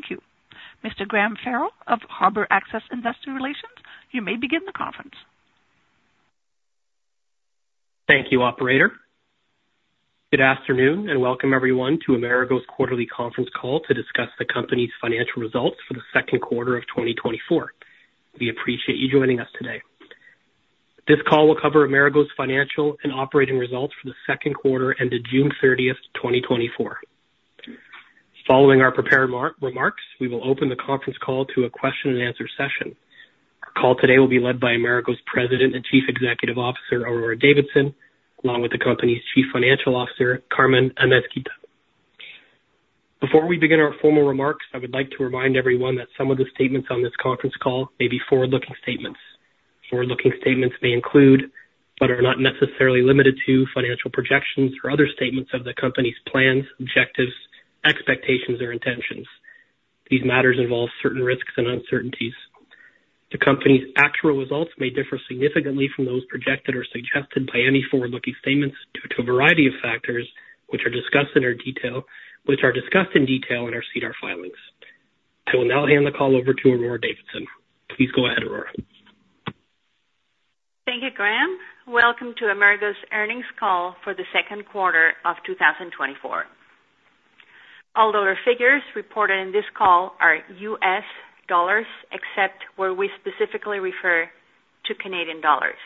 Thank you. Mr. Graham Farrell of Harbor Access Investor Relations, you may begin the conference. Thank you, Operator. Good afternoon and welcome everyone to Amerigo's quarterly conference call to discuss the company's financial results for the second quarter of 2024. We appreciate you joining us today. This call will cover Amerigo's financial and operating results for the second quarter ended June 30, 2024. Following our prepared remarks, we will open the conference call to a question-and-answer session. Our call today will be led by Amerigo's President and Chief Executive Officer, Aurora Davidson, along with the company's Chief Financial Officer, Carmen Amezquita. Before we begin our formal remarks, I would like to remind everyone that some of the statements on this conference call may be forward-looking statements. Forward-looking statements may include, but are not necessarily limited to, financial projections or other statements of the company's plans, objectives, expectations, or intentions. These matters involve certain risks and uncertainties. The company's actual results may differ significantly from those projected or suggested by any forward-looking statements due to a variety of factors which are discussed in detail in our SEDAR filings. I will now hand the call over to Aurora Davidson. Please go ahead, Aurora. Thank you, Graham. Welcome to Amerigo's earnings call for the second quarter of 2024. Although the figures reported in this call are U.S. dollars, except where we specifically refer to Canadian dollars.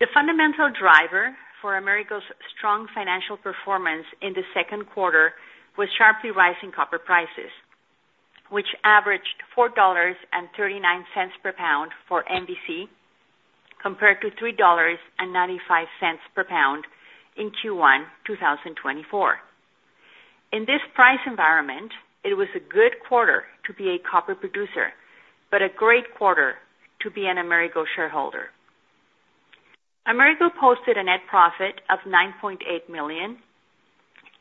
The fundamental driver for Amerigo's strong financial performance in the second quarter was sharply rising copper prices, which averaged $4.39 per pound for NVC compared to $3.95 per pound in Q1 2024. In this price environment, it was a good quarter to be a copper producer, but a great quarter to be an Amerigo shareholder. Amerigo posted a net profit of $9.8 million,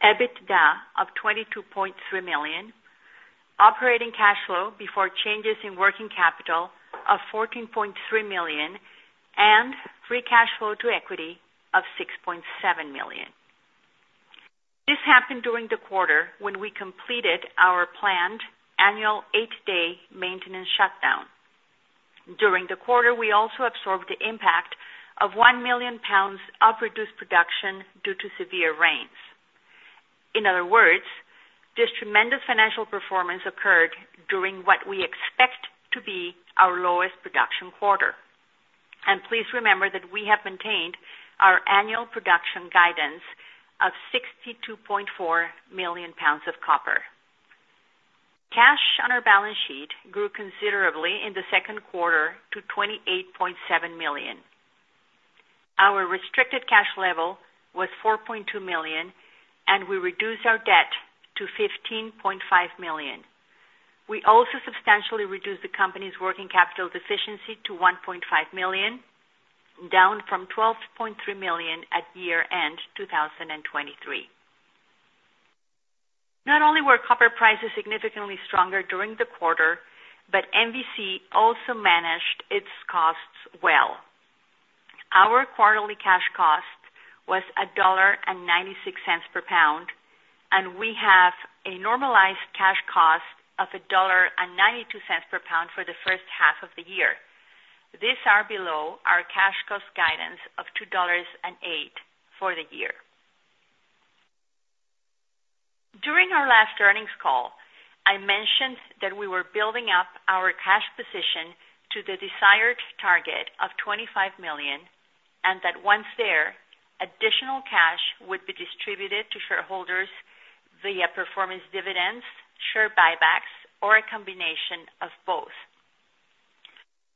EBITDA of $22.3 million, operating cash flow before changes in working capital of $14.3 million, and free cash flow to equity of $6.7 million. This happened during the quarter when we completed our planned annual eight-day maintenance shutdown. During the quarter, we also absorbed the impact of 1 million pounds of reduced production due to severe rains. In other words, this tremendous financial performance occurred during what we expect to be our lowest production quarter. Please remember that we have maintained our annual production guidance of 62.4 million pounds of copper. Cash on our balance sheet grew considerably in the second quarter to $28.7 million. Our restricted cash level was $4.2 million, and we reduced our debt to $15.5 million. We also substantially reduced the company's working capital deficiency to $1.5 million, down from $12.3 million at year-end 2023. Not only were copper prices significantly stronger during the quarter, but NVC also managed its costs well. Our quarterly cash cost was $1.96 per pound, and we have a normalized cash cost of $1.92 per pound for the first half of the year. These are below our cash cost guidance of $2.08 for the year. During our last earnings call, I mentioned that we were building up our cash position to the desired target of $25 million and that once there, additional cash would be distributed to shareholders via performance dividends, share buybacks, or a combination of both.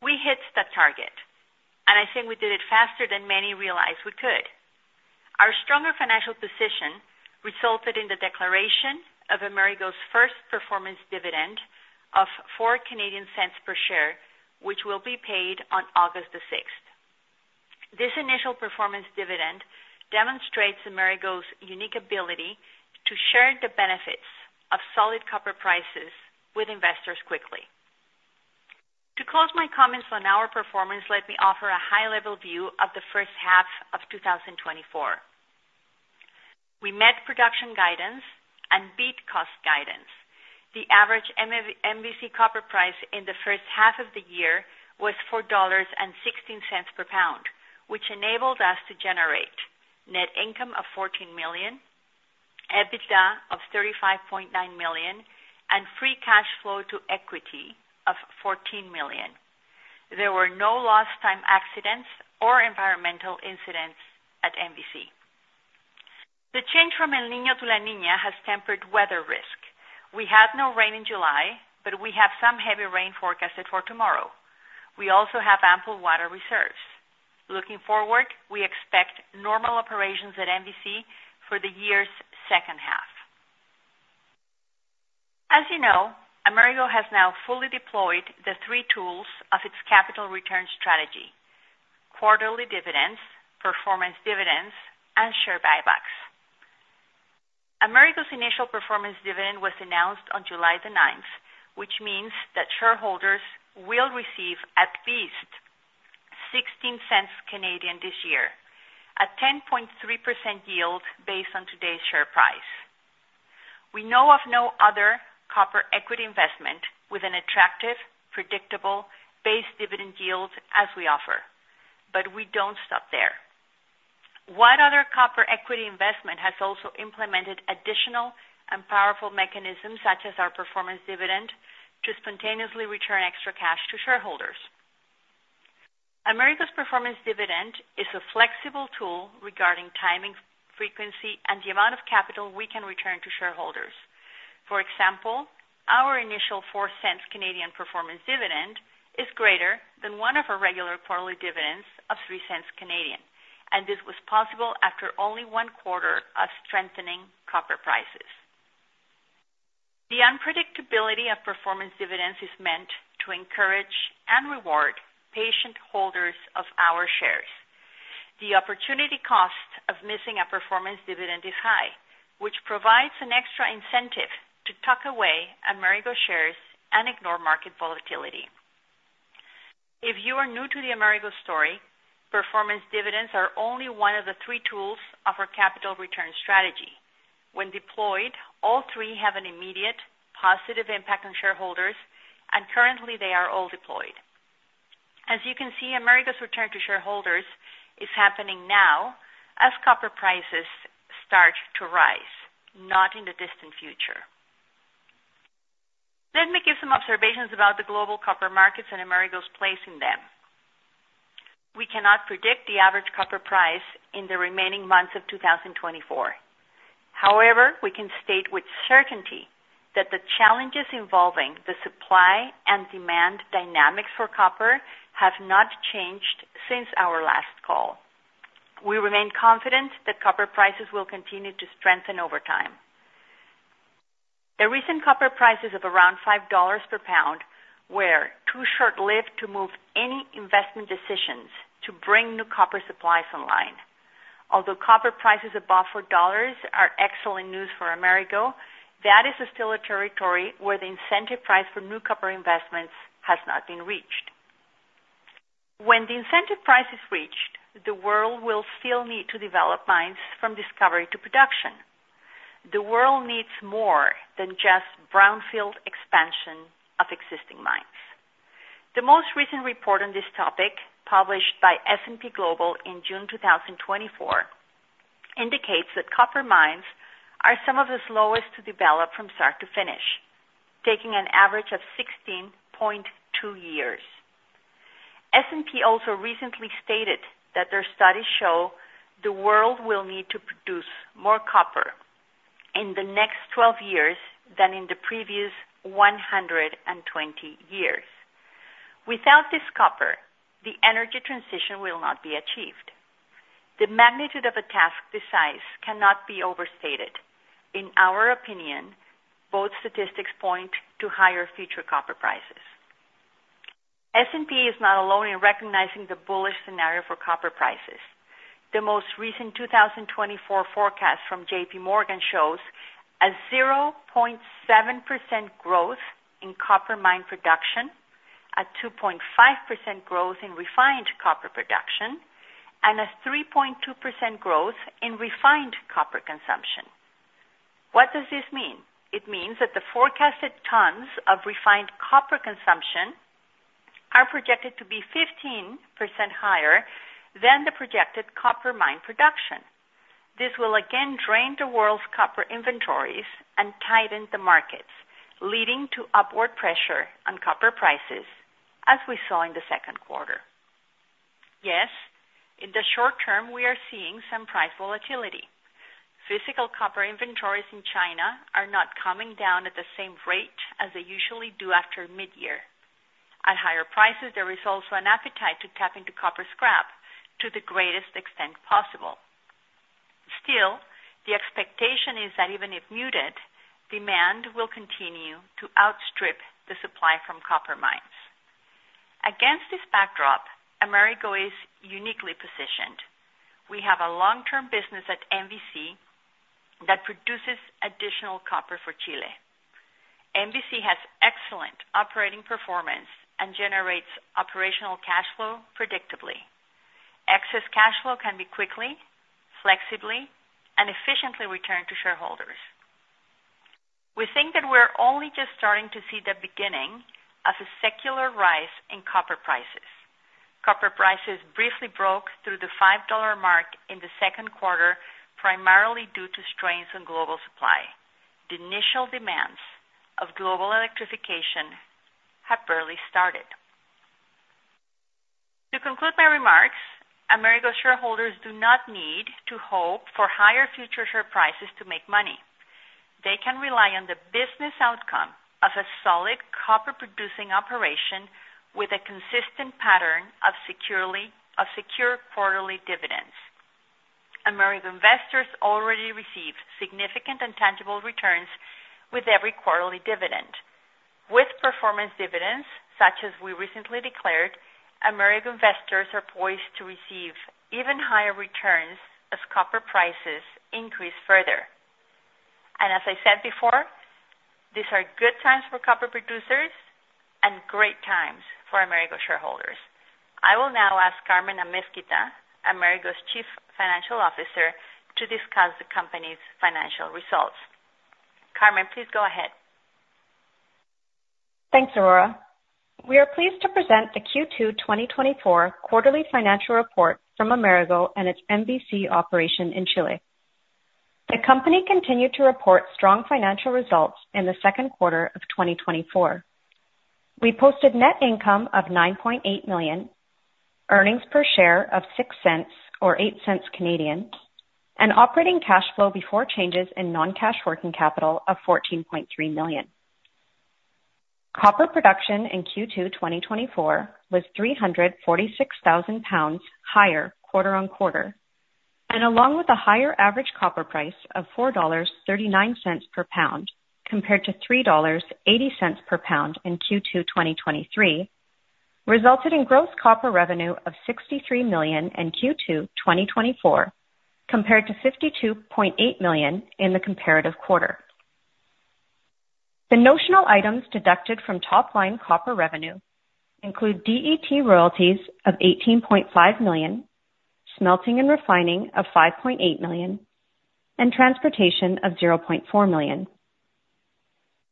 We hit that target, and I think we did it faster than many realized we could. Our stronger financial position resulted in the declaration of Amerigo's first performance dividend of $0.04 per share, which will be paid on August the 6th. This initial performance dividend demonstrates Amerigo's unique ability to share the benefits of solid copper prices with investors quickly. To close my comments on our performance, let me offer a high-level view of the first half of 2024. We met production guidance and beat cost guidance. The average NVC copper price in the first half of the year was $4.16 per pound, which enabled us to generate net income of $14 million, EBITDA of $35.9 million, and free cash flow to equity of $14 million. There were no lost-time accidents or environmental incidents at NVC. The change from El Niño to La Niña has tempered weather risk. We had no rain in July, but we have some heavy rain forecasted for tomorrow. We also have ample water reserves. Looking forward, we expect normal operations at NVC for the year's second half. As you know, Amerigo has now fully deployed the three tools of its capital return strategy: quarterly dividends, performance dividends, and share buybacks. Amerigo's initial performance dividend was announced on July 9, which means that shareholders will receive at least 0.16 this year, a 10.3% yield based on today's share price. We know of no other copper equity investment with an attractive, predictable base dividend yield as we offer, but we don't stop there. One other copper equity investment has also implemented additional and powerful mechanisms such as our performance dividend to spontaneously return extra cash to shareholders. Amerigo's performance dividend is a flexible tool regarding timing, frequency, and the amount of capital we can return to shareholders. For example, our initial $0.04 Canadian performance dividend is greater than one of our regular quarterly dividends of $0.03 Canadian. This was possible after only one quarter of strengthening copper prices. The unpredictability of performance dividends is meant to encourage and reward patient holders of our shares. The opportunity cost of missing a performance dividend is high, which provides an extra incentive to tuck away Amerigo shares and ignore market volatility. If you are new to the Amerigo story, performance dividends are only one of the three tools of our capital return strategy. When deployed, all three have an immediate positive impact on shareholders, and currently, they are all deployed. As you can see, Amerigo's return to shareholders is happening now as copper prices start to rise, not in the distant future. Let me give some observations about the global copper markets and Amerigo's place in them. We cannot predict the average copper price in the remaining months of 2024. However, we can state with certainty that the challenges involving the supply and demand dynamics for copper have not changed since our last call. We remain confident that copper prices will continue to strengthen over time. The recent copper prices of around $5 per pound were too short-lived to move any investment decisions to bring new copper supplies online. Although copper prices above $4 are excellent news for Amerigo, that is still a territory where the incentive price for new copper investments has not been reached. When the incentive price is reached, the world will still need to develop mines from discovery to production. The world needs more than just brownfield expansion of existing mines. The most recent report on this topic, published by S&P Global in June 2024, indicates that copper mines are some of the slowest to develop from start to finish, taking an average of 16.2 years. S&P also recently stated that their studies show the world will need to produce more copper in the next 12 years than in the previous 120 years. Without this copper, the energy transition will not be achieved. The magnitude of a task this size cannot be overstated. In our opinion, both statistics point to higher future copper prices. S&P is not alone in recognizing the bullish scenario for copper prices. The most recent 2024 forecast from J.P. Morgan shows a 0.7% growth in copper mine production, a 2.5% growth in refined copper production, and a 3.2% growth in refined copper consumption. What does this mean? It means that the forecasted tons of refined copper consumption are projected to be 15% higher than the projected copper mine production. This will again drain the world's copper inventories and tighten the markets, leading to upward pressure on copper prices, as we saw in the second quarter. Yes, in the short term, we are seeing some price volatility. Physical copper inventories in China are not coming down at the same rate as they usually do after mid-year. At higher prices, there is also an appetite to tap into copper scrap to the greatest extent possible. Still, the expectation is that even if muted, demand will continue to outstrip the supply from copper mines. Against this backdrop, Amerigo is uniquely positioned. We have a long-term business at NVC that produces additional copper for Chile. NVC has excellent operating performance and generates operational cash flow predictably. Excess cash flow can be quickly, flexibly, and efficiently returned to shareholders. We think that we're only just starting to see the beginning of a secular rise in copper prices. Copper prices briefly broke through the $5 mark in the second quarter primarily due to strains on global supply. The initial demands of global electrification have barely started. To conclude my remarks, Amerigo's shareholders do not need to hope for higher future share prices to make money. They can rely on the business outcome of a solid copper-producing operation with a consistent pattern of secure quarterly dividends. Amerigo investors already receive significant and tangible returns with every quarterly dividend. With performance dividends, such as we recently declared, Amerigo investors are poised to receive even higher returns as copper prices increase further. As I said before, these are good times for copper producers and great times for Amerigo shareholders. I will now ask Carmen Amezquita, Amerigo's Chief Financial Officer, to discuss the company's financial results. Carmen, please go ahead. Thanks, Aurora. We are pleased to present the Q2 2024 quarterly financial report from Amerigo and its NVC operation in Chile. The company continued to report strong financial results in the second quarter of 2024. We posted net income of $9.8 million, earnings per share of $0.06 or 0.08, and operating cash flow before changes in non-cash working capital of $14.3 million. Copper production in Q2 2024 was 346,000 pounds higher quarter-over-quarter, and along with a higher average copper price of $4.39 per pound compared to $3.80 per pound in Q2 2023, resulted in gross copper revenue of $63 million in Q2 2024 compared to $52.8 million in the comparative quarter. The notional items deducted from top-line copper revenue include DET royalties of $18.5 million, smelting and refining of $5.8 million, and transportation of $0.4 million.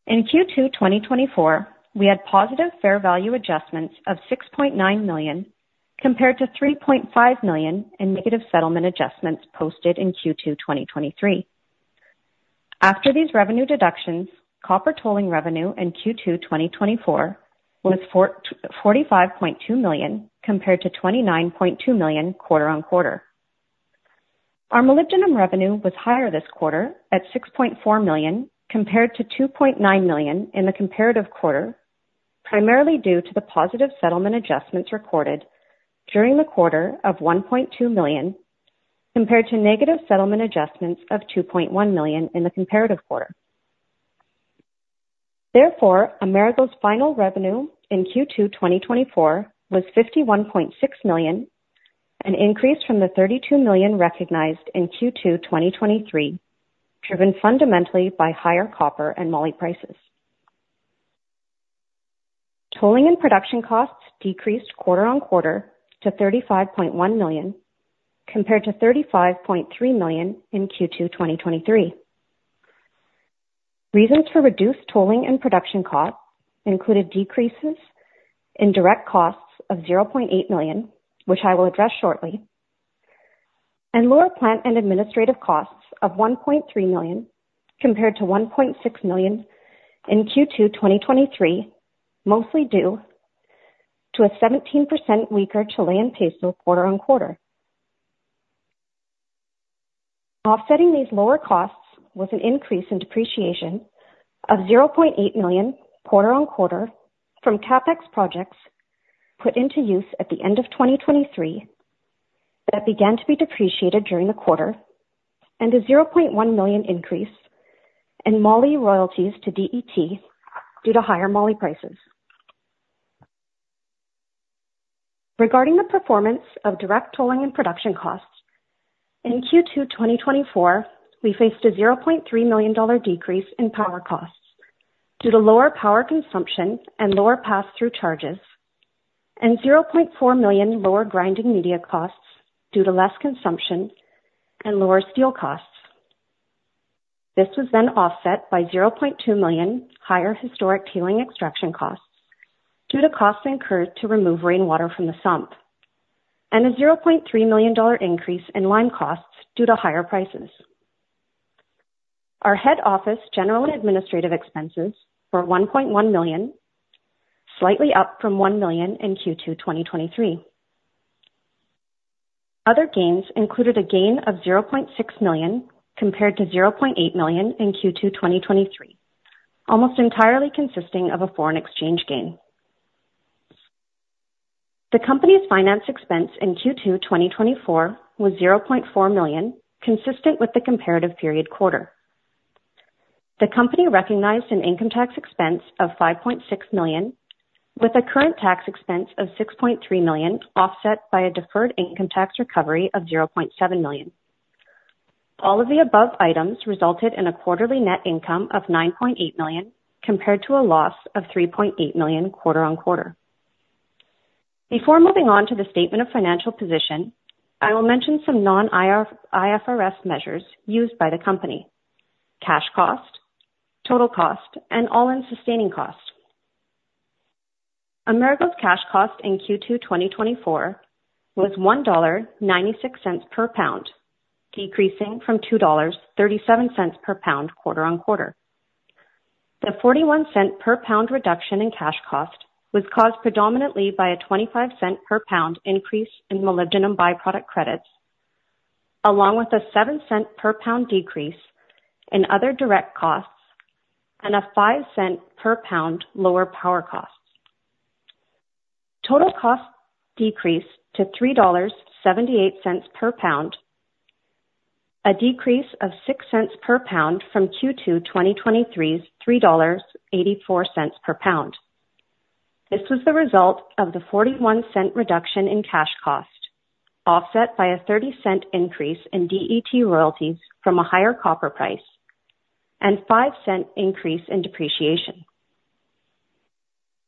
In Q2 2024, we had positive fair value adjustments of $6.9 million compared to $3.5 million in negative settlement adjustments posted in Q2 2023. After these revenue deductions, copper tolling revenue in Q2 2024 was $45.2 million compared to $29.2 million quarter-over-quarter. Our molybdenum revenue was higher this quarter at $6.4 million compared to $2.9 million in the comparative quarter, primarily due to the positive settlement adjustments recorded during the quarter of $1.2 million compared to negative settlement adjustments of $2.1 million in the comparative quarter. Therefore, Amerigo's final revenue in Q2 2024 was $51.6 million, an increase from the $32 million recognized in Q2 2023, driven fundamentally by higher copper and moly prices. Tolling and production costs decreased quarter-over-quarter to $35.1 million compared to $35.3 million in Q2 2023. Reasons for reduced tolling and production costs included decreases in direct costs of $0.8 million, which I will address shortly, and lower plant and administrative costs of $1.3 million compared to $1.6 million in Q2 2023, mostly due to a 17% weaker Chilean peso quarter-over-quarter. Offsetting these lower costs was an increase in depreciation of $0.8 million quarter-over-quarter from CapEx projects put into use at the end of 2023 that began to be depreciated during the quarter, and a $0.1 million increase in moly royalties to DET due to higher moly prices. Regarding the performance of direct tolling and production costs, in Q2 2024, we faced a $0.3 million decrease in power costs due to lower power consumption and lower pass-through charges, and $0.4 million lower grinding media costs due to less consumption and lower steel costs. This was then offset by $0.2 million higher historic tailing extraction costs due to costs incurred to remove rainwater from the sump, and a $0.3 million increase in line costs due to higher prices. Our head office general and administrative expenses were $1.1 million, slightly up from $1 million in Q2 2023. Other gains included a gain of $0.6 million compared to $0.8 million in Q2 2023, almost entirely consisting of a foreign exchange gain. The company's finance expense in Q2 2024 was $0.4 million, consistent with the comparative period quarter. The company recognized an income tax expense of $5.6 million, with a current tax expense of $6.3 million offset by a deferred income tax recovery of $0.7 million. All of the above items resulted in a quarterly net income of $9.8 million compared to a loss of $3.8 million quarter-over-quarter. Before moving on to the statement of financial position, I will mention some non-IFRS measures used by the company: cash cost, total cost, and all-in sustaining cost. Amerigo's cash cost in Q2 2024 was $1.96 per pound, decreasing from $2.37 per pound quarter-over-quarter. The $0.41 per pound reduction in cash cost was caused predominantly by a $0.25 per pound increase in molybdenum byproduct credits, along with a $0.07 per pound decrease in other direct costs and a $0.05 per pound lower power costs. Total costs decreased to $3.78 per pound, a decrease of $0.06 per pound from Q2 2023's $3.84 per pound. This was the result of the $0.41 reduction in cash cost, offset by a $0.30 increase in DET royalties from a higher copper price, and a $0.05 increase in depreciation.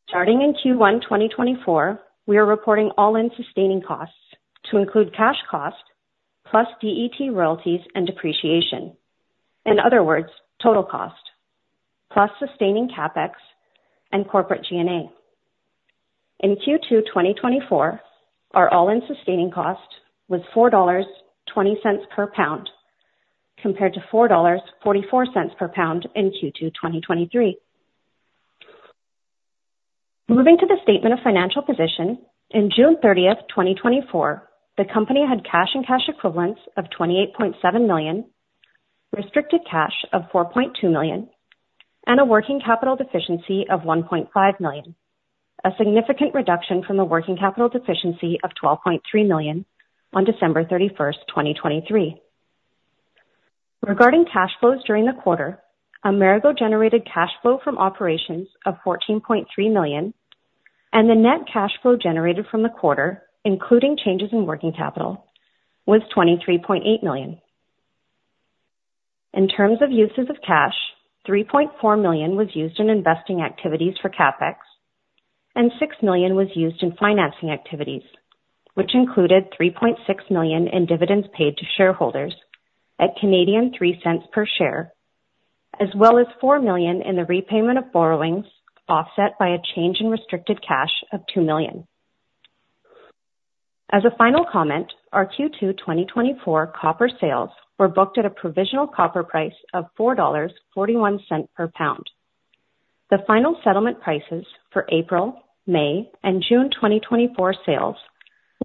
Starting in Q1 2024, we are reporting all-in sustaining costs to include cash cost plus DET royalties and depreciation. In other words, total cost plus sustaining CapEx and corporate G&A. In Q2 2024, our all-in sustaining cost was $4.20 per pound compared to $4.44 per pound in Q2 2023. Moving to the statement of financial position, on June 30, 2024, the company had cash and cash equivalents of $28.7 million, restricted cash of $4.2 million, and a working capital deficiency of $1.5 million, a significant reduction from the working capital deficiency of $12.3 million on December 31, 2023. Regarding cash flows during the quarter, Amerigo generated cash flow from operations of $14.3 million, and the net cash flow generated from the quarter, including changes in working capital, was $23.8 million. In terms of uses of cash, $3.4 million was used in investing activities for CapEx, and $6 million was used in financing activities, which included $3.6 million in dividends paid to shareholders at 0.03 per share, as well as $4 million in the repayment of borrowings offset by a change in restricted cash of $2 million. As a final comment, our Q2 2024 copper sales were booked at a provisional copper price of $4.41 per pound. The final settlement prices for April, May, and June 2024 sales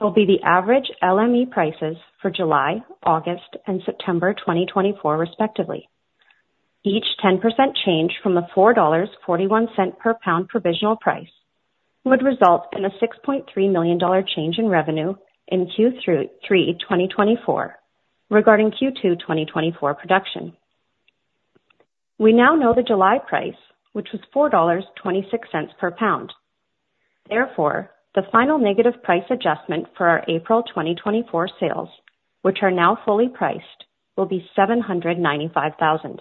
will be the average LME prices for July, August, and September 2024, respectively. Each 10% change from the $4.41 per pound provisional price would result in a $6.3 million change in revenue in Q3 2024 regarding Q2 2024 production. We now know the July price, which was $4.26 per pound. Therefore, the final negative price adjustment for our April 2024 sales, which are now fully priced, will be $795,000.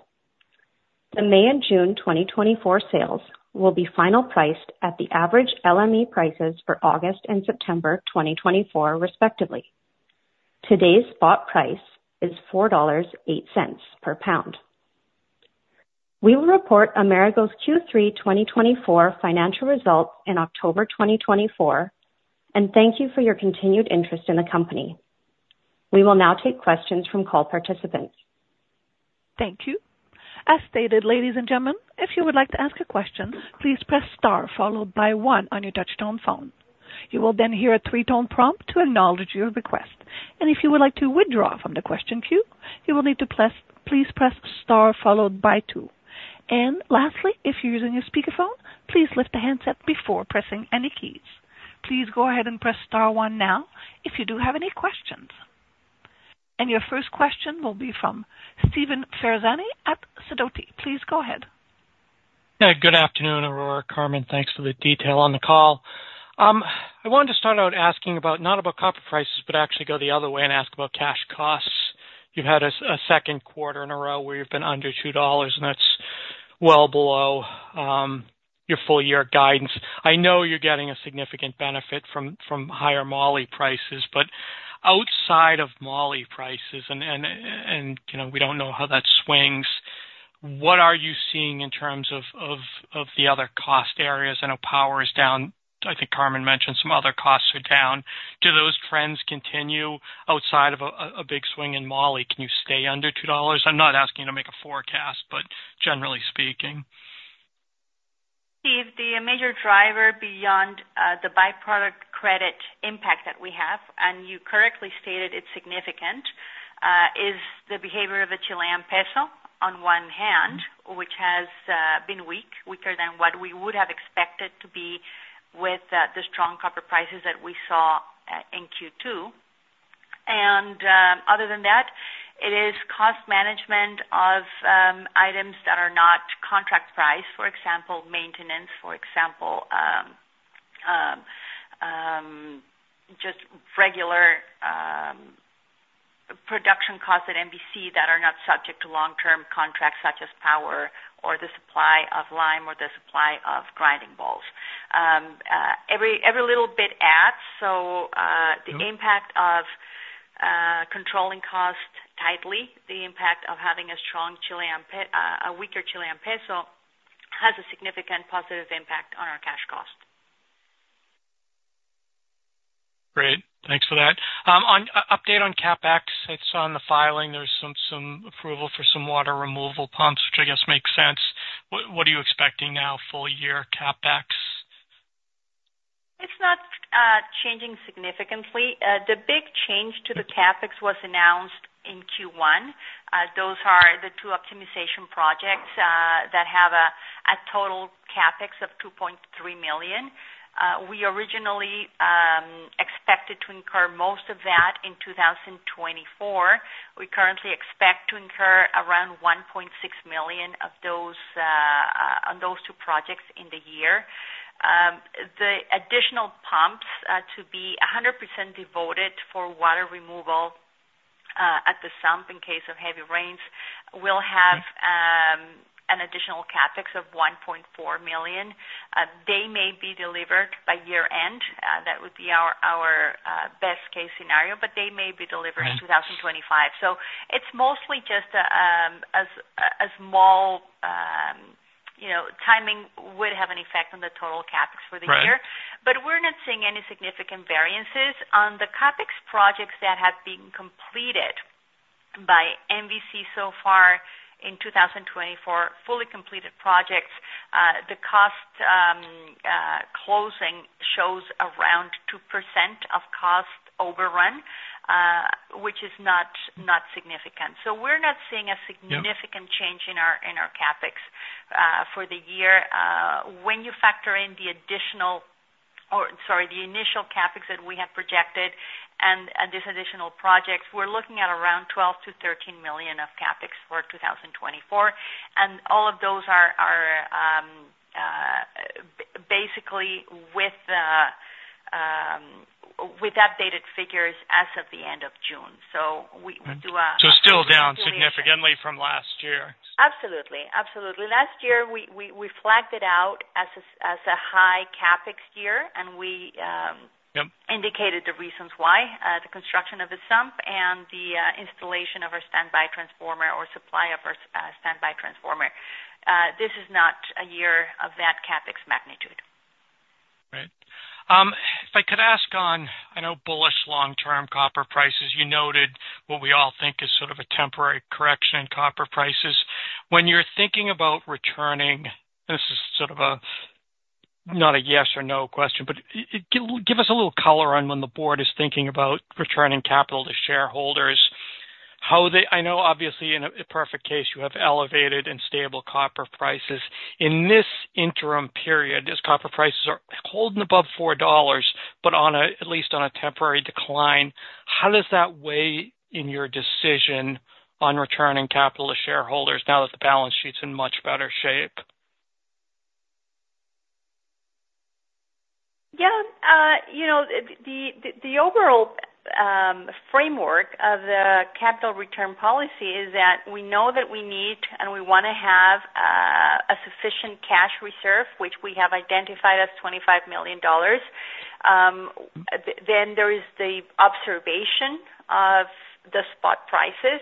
The May and June 2024 sales will be final priced at the average LME prices for August and September 2024, respectively. Today's spot price is $4.08 per pound. We will report Amerigo's Q3 2024 financial results in October 2024 and thank you for your continued interest in the company. We will now take questions from call participants. Thank you. As stated, ladies and gentlemen, if you would like to ask a question, please press Star followed by 1 on your touch-tone phone. You will then hear a three-tone prompt to acknowledge your request. If you would like to withdraw from the question queue, you will need to please press Star followed by 2. Lastly, if you're using your speakerphone, please lift the handset before pressing any keys. Please go ahead and press Star 1 now if you do have any questions. Your first question will be from Steve Ferazani at Sidoti. Please go ahead. Good afternoon, Aurora. Carmen, thanks for the detail on the call. I wanted to start out asking about not about copper prices, but actually go the other way and ask about cash costs. You've had a second quarter in a row where you've been under $2, and that's well below your full-year guidance. I know you're getting a significant benefit from higher moly prices, but outside of moly prices, and we don't know how that swings, what are you seeing in terms of the other cost areas? I know power is down. I think Carmen mentioned some other costs are down. Do those trends continue outside of a big swing in moly? Can you stay under $2? I'm not asking you to make a forecast, but generally speaking. Steve, the major driver beyond the byproduct credit impact that we have, and you correctly stated it's significant, is the behavior of the Chilean peso on one hand, which has been weak, weaker than what we would have expected to be with the strong copper prices that we saw in Q2. Other than that, it is cost management of items that are not contract price, for example, maintenance, for example, just regular production costs at NVC that are not subject to long-term contracts such as power or the supply of lime or the supply of grinding balls. Every little bit adds. The impact of controlling costs tightly, the impact of having a strong Chilean, a weaker Chilean peso has a significant positive impact on our cash cost. Great. Thanks for that. Update on CapEx. I saw in the filing there was some approval for some water removal pumps, which I guess makes sense. What are you expecting now, full-year CapEx? It's not changing significantly. The big change to the CapEx was announced in Q1. Those are the two optimization projects that have a total CapEx of $2.3 million. We originally expected to incur most of that in 2024. We currently expect to incur around $1.6 million on those two projects in the year. The additional pumps to be 100% devoted for water removal at the sump in case of heavy rains will have an additional CapEx of $1.4 million. They may be delivered by year-end. That would be our best-case scenario, but they may be delivered in 2025. So it's mostly just a small timing would have an effect on the total CapEx for the year. But we're not seeing any significant variances. On the CapEx projects that have been completed by NVC so far in 2024, fully completed projects, the cost closing shows around 2% of cost overrun, which is not significant. So we're not seeing a significant change in our CapEx for the year. When you factor in the additional, or sorry, the initial CapEx that we have projected and these additional projects, we're looking at around $12-$13 million of CapEx for 2024. And all of those are basically with updated figures as of the end of June. So we do. Still down significantly from last year. Absolutely. Absolutely. Last year, we flagged it out as a high CapEx year, and we indicated the reasons why: the construction of the sump and the installation of our standby transformer or supply of our standby transformer. This is not a year of that CapEx magnitude. Right. If I could ask on, I know, bullish long-term copper prices, you noted what we all think is sort of a temporary correction in copper prices. When you're thinking about returning, and this is sort of not a yes or no question, but give us a little color on when the board is thinking about returning capital to shareholders. I know, obviously, in a perfect case, you have elevated and stable copper prices. In this interim period, as copper prices are holding above $4, but at least on a temporary decline, how does that weigh in your decision on returning capital to shareholders now that the balance sheet's in much better shape? Yeah. The overall framework of the capital return policy is that we know that we need and we want to have a sufficient cash reserve, which we have identified as $25 million. Then there is the observation of the spot prices,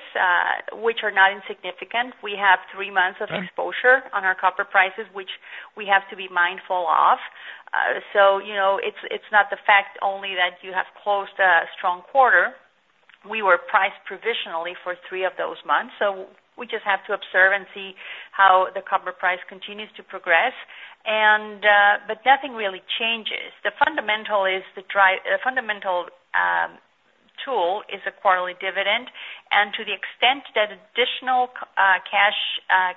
which are not insignificant. We have three months of exposure on our copper prices, which we have to be mindful of. So it's not the fact only that you have closed a strong quarter. We were priced provisionally for three of those months. So we just have to observe and see how the copper price continues to progress. But nothing really changes. The fundamental tool is a quarterly dividend. And to the extent that additional cash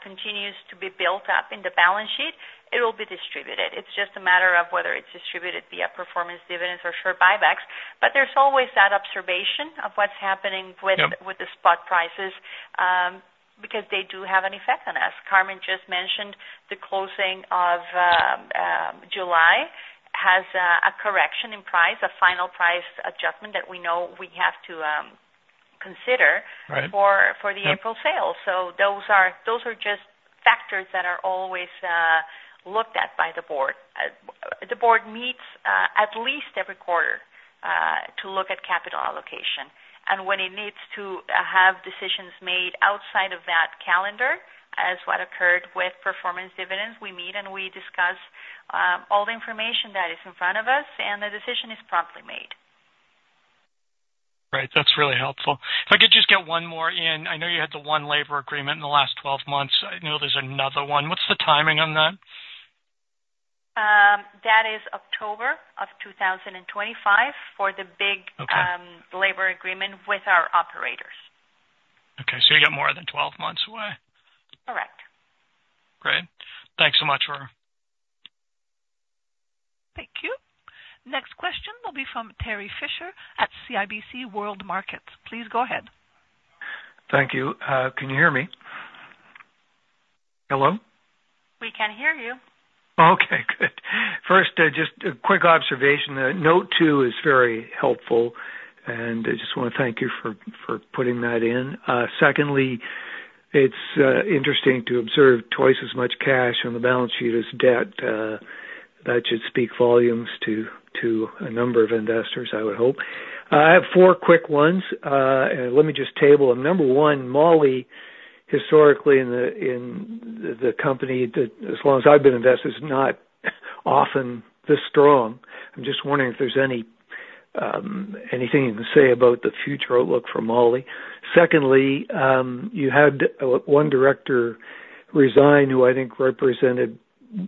continues to be built up in the balance sheet, it will be distributed. It's just a matter of whether it's distributed via performance dividends or share buybacks. But there's always that observation of what's happening with the spot prices because they do have an effect on us. Carmen just mentioned the closing of July has a correction in price, a final price adjustment that we know we have to consider for the April sales. So, those are just factors that are always looked at by the board. The board meets at least every quarter to look at capital allocation. And when it needs to have decisions made outside of that calendar, as what occurred with performance dividends, we meet and we discuss all the information that is in front of us, and the decision is promptly made. Right. That's really helpful. If I could just get one more in. I know you had the one labor agreement in the last 12 months. I know there's another one. What's the timing on that? That is October of 2025 for the big labor agreement with our operators. Okay. So you got more than 12 months away. Correct. Great. Thanks so much, Aurora. Thank you. Next question will be from Terry Fisher at CIBC World Markets. Please go ahead. Thank you. Can you hear me? Hello? We can hear you. Okay. Good. First, just a quick observation. Note 2 is very helpful, and I just want to thank you for putting that in. Secondly, it's interesting to observe twice as much cash on the balance sheet as debt. That should speak volumes to a number of investors, I would hope. I have four quick ones. Let me just table them. Number 1, moly, historically, in the company, as long as I've been invested, is not often this strong. I'm just wondering if there's anything you can say about the future outlook for moly. Secondly, you had one director resign, who I think represented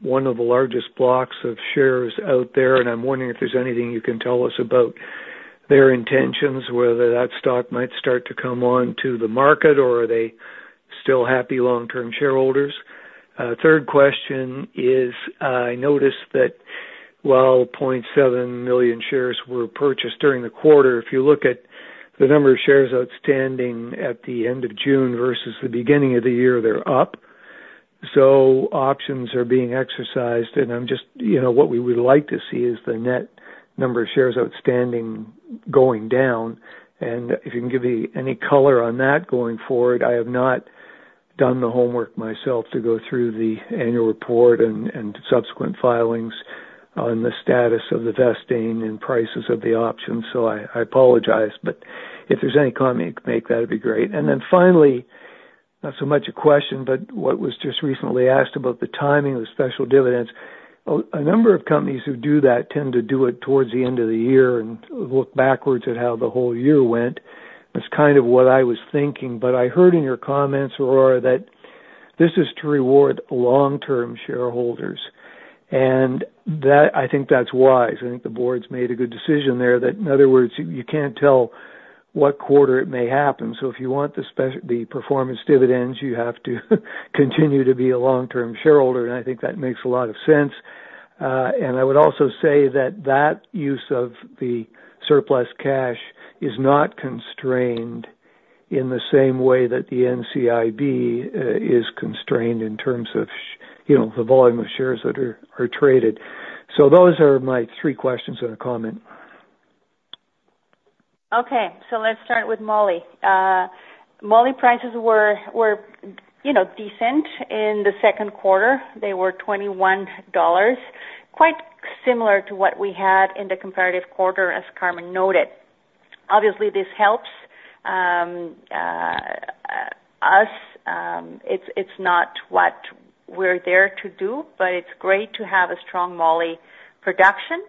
one of the largest blocks of shares out there. And I'm wondering if there's anything you can tell us about their intentions, whether that stock might start to come on to the market, or are they still happy long-term shareholders. Third question is, I noticed that while 0.7 million shares were purchased during the quarter, if you look at the number of shares outstanding at the end of June versus the beginning of the year, they're up. So, options are being exercised. What we would like to see is the net number of shares outstanding going down. If you can give me any color on that going forward, I have not done the homework myself to go through the annual report and subsequent filings on the status of the vesting and prices of the options. So I apologize. But if there's any comment you can make, that would be great. Then finally, not so much a question, but what was just recently asked about the timing of the special dividends. A number of companies who do that tend to do it towards the end of the year and look backwards at how the whole year went. That's kind of what I was thinking. But I heard in your comments, Aurora, that this is to reward long-term shareholders. And I think that's wise. I think the board's made a good decision there that, in other words, you can't tell what quarter it may happen. So if you want the performance dividends, you have to continue to be a long-term shareholder. And I think that makes a lot of sense. And I would also say that that use of the surplus cash is not constrained in the same way that the NCIB is constrained in terms of the volume of shares that are traded. So those are my three questions and a comment. Okay. So, let's start with moly. Moly prices were decent in the second quarter. They were $21, quite similar to what we had in the comparative quarter, as Carmen noted. Obviously, this helps us. It's not what we're there to do, but it's great to have a strong moly production,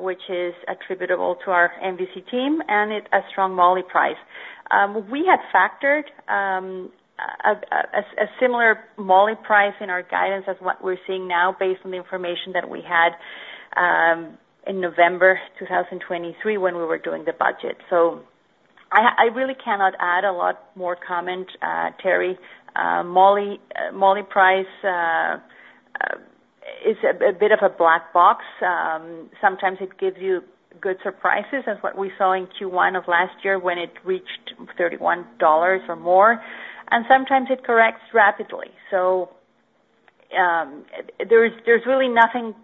which is attributable to our NVC team and a strong moly price. We had factored a similar moly price in our guidance as what we're seeing now, based on the information that we had in November 2023 when we were doing the budget. So I really cannot add a lot more comment, Terry. Moly price is a bit of a black box. Sometimes it gives you good surprises, as what we saw in Q1 of last year when it reached $31 or more. Sometimes it corrects rapidly. So, there's really nothing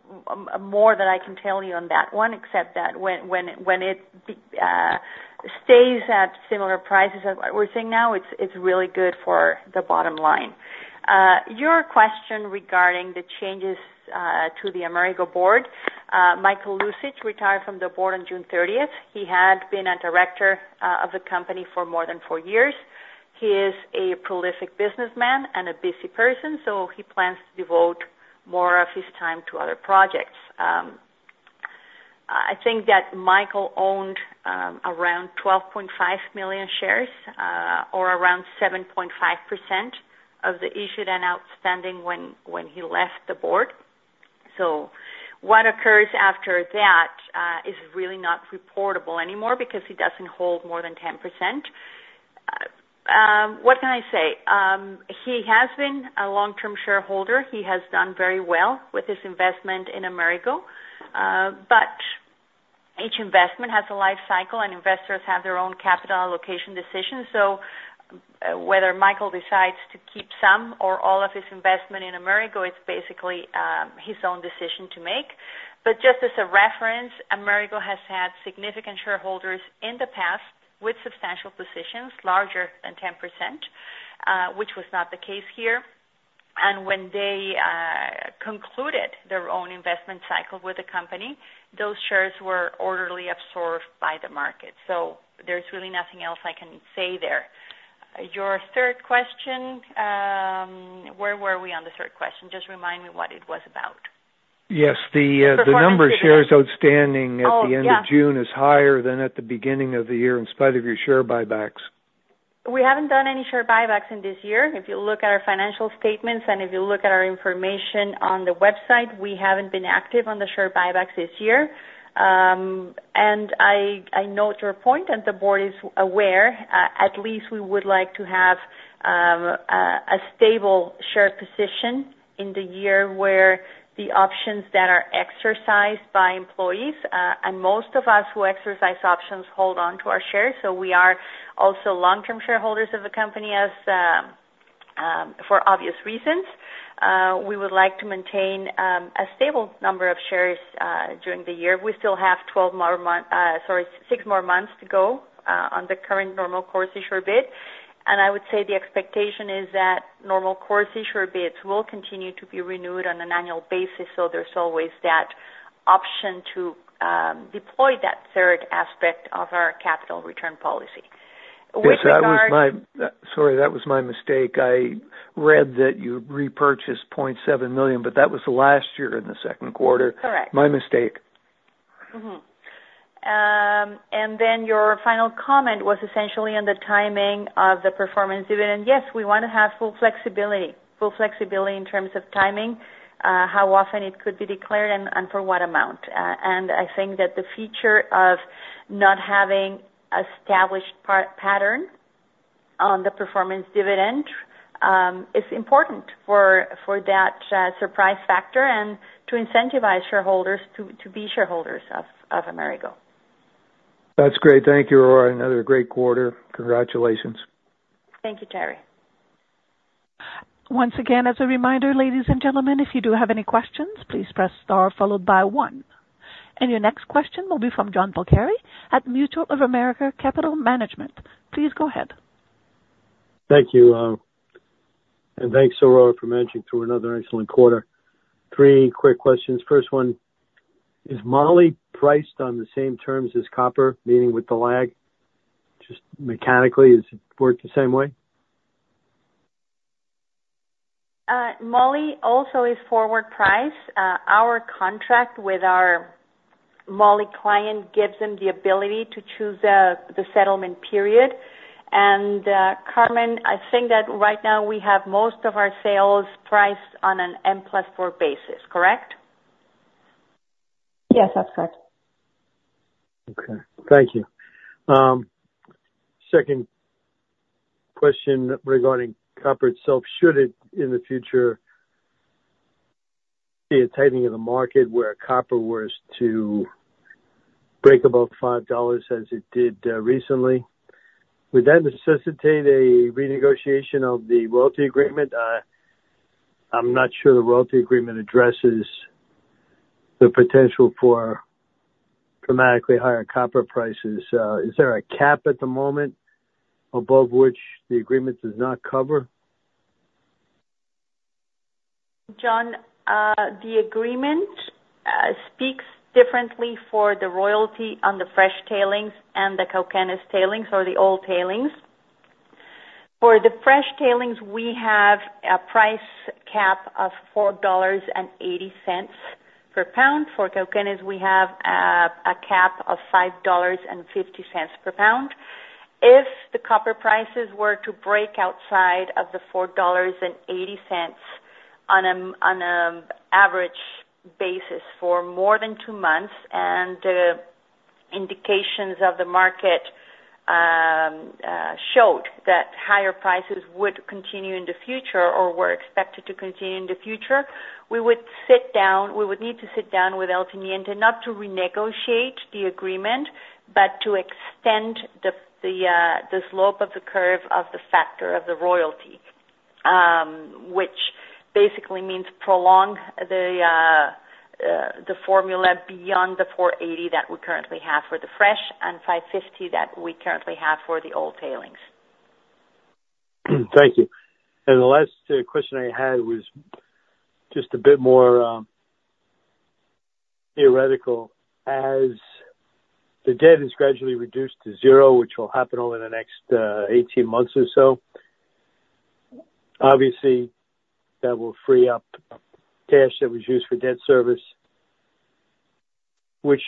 more than I can tell you on that one, except that when it stays at similar prices as what we're seeing now, it's really good for the bottom line. Your question regarding the changes to the Amerigo board, Michael Luzich, retired from the board on June 30th. He had been a director of the company for more than four years. He is a prolific businessman and a busy person, so he plans to devote more of his time to other projects. I think that Michael owned around 12.5 million shares, or around 7.5% of the issued and outstanding when he left the board. So, what occurs after that is really not reportable anymore because he doesn't hold more than 10%. What can I say? He has been a long-term shareholder. He has done very well with his investment in Amerigo. But each investment has a life cycle, and investors have their own capital allocation decisions. So whether Michael decides to keep some or all of his investment in Amerigo, it's basically his own decision to make. But just as a reference, Amerigo has had significant shareholders in the past with substantial positions, larger than 10%, which was not the case here. And when they concluded their own investment cycle with the company, those shares were orderly absorbed by the market. So there's really nothing else I can say there. Your third question, where were we on the third question? Just remind me what it was about? Yes. The number of shares outstanding at the end of June is higher than at the beginning of the year, in spite of your share buybacks. We haven't done any share buybacks in this year. If you look at our financial statements and if you look at our information on the website, we haven't been active on the share buybacks this year. I note your point, and the board is aware. At least we would like to have a stable share position in the year where the options that are exercised by employees, and most of us who exercise options hold on to our shares. We are also long-term shareholders of the company for obvious reasons. We would like to maintain a stable number of shares during the year. We still have 12 more months, sorry, six more months to go on the current normal course issuer bid. I would say the expectation is that normal course issuer bids will continue to be renewed on an annual basis. There's always that option to deploy that third aspect of our capital return policy. Sorry, that was my mistake. I read that you repurchased 0.7 million, but that was last year in the second quarter. Correct. My mistake. Then your final comment was essentially on the timing of the performance dividend. Yes, we want to have full flexibility, full flexibility in terms of timing, how often it could be declared, and for what amount. I think that the feature of not having an established pattern on the performance dividend is important for that surprise factor and to incentivize shareholders to be shareholders of Amerigo. That's great. Thank you, Aurora. Another great quarter. Congratulations. Thank you, Terry. Once again, as a reminder, ladies and gentlemen, if you do have any questions, please press star followed by one. Your next question will be from John Polcari at Mutual of America Capital Management. Please go ahead. Thank you. And thanks, Aurora, for mentioning through another excellent quarter. Three quick questions. First one, is moly priced on the same terms as copper, meaning with the lag? Just mechanically, does it work the same way? Moly also is forward priced. Our contract with our moly client gives them the ability to choose the settlement period. And Carmen, I think that right now we have most of our sales priced on an M plus four basis. Correct? Yes, that's correct. Okay. Thank you. Second question regarding copper itself. Should it, in the future, be a tightening of the market where copper were to break above $5 as it did recently, would that necessitate a renegotiation of the royalty agreement? I'm not sure the royalty agreement addresses the potential for dramatically higher copper prices. Is there a cap at the moment above which the agreement does not cover? John, the agreement speaks differently for the royalty on the fresh tailings and the Cauquenes tailings or the old tailings. For the fresh tailings, we have a price cap of $4.80 per pound. For Cauquenes, we have a cap of $5.50 per pound. If the copper prices were to break outside of the $4.80 on an average basis for more than two months and indications of the market showed that higher prices would continue in the future or were expected to continue in the future, we would sit down. We would need to sit down with El Teniente not to renegotiate the agreement, but to extend the slope of the curve of the factor of the royalty, which basically means prolong the formula beyond the 4.80 that we currently have for the fresh and 5.50 that we currently have for the old tailings. Thank you. The last question I had was just a bit more theoretical. As the debt is gradually reduced to zero, which will happen over the next 18 months or so, obviously, that will free up cash that was used for debt service, which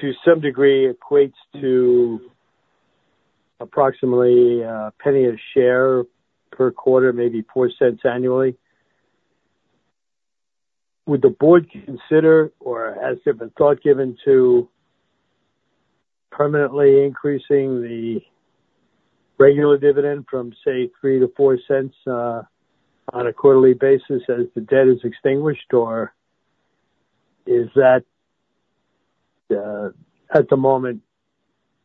to some degree equates to approximately $0.01 a share per quarter, maybe $0.04 annually. Would the board consider, or has there been thought given to permanently increasing the regular dividend from, say, $0.03-$0.04 on a quarterly basis as the debt is extinguished? Or is that, at the moment,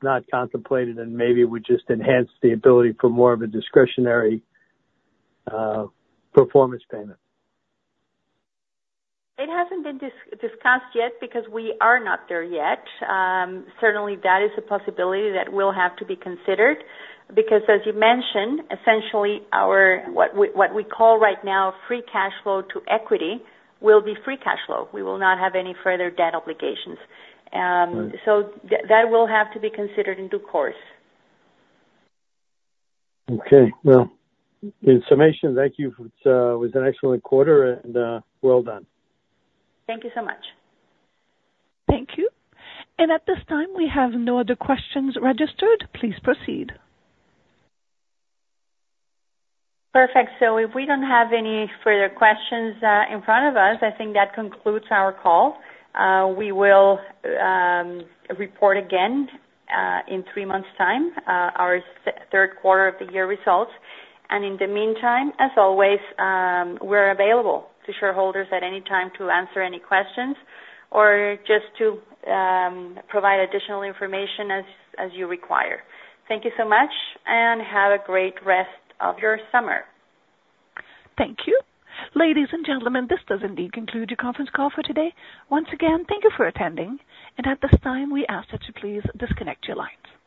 not contemplated and maybe would just enhance the ability for more of a discretionary performance payment? It hasn't been discussed yet because we are not there yet. Certainly, that is a possibility that will have to be considered because, as you mentioned, essentially, what we call right now free cash flow to equity will be free cash flow. We will not have any further debt obligations. So that will have to be considered in due course. Okay. Well, it's amazing. Thank you. It was an excellent quarter and well done. Thank you so much. Thank you. And at this time, we have no other questions registered. Please proceed. Perfect. So, if we don't have any further questions in front of us, I think that concludes our call. We will report again in three months' time, our third quarter of the year results. In the meantime, as always, we're available to shareholders at any time to answer any questions or just to provide additional information as you require. Thank you so much and have a great rest of your summer. Thank you. Ladies and gentlemen, this does indeed conclude your conference call for today. Once again, thank you for attending. At this time, we ask that you please disconnect your lines.